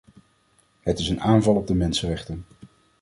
Het is een aanval op de mensenrechten.